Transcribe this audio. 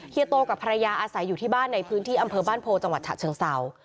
โตกับภรรยาอาศัยอยู่ที่บ้านในพื้นที่อำเภอบ้านโพจังหวัดฉะเชิงเศร้า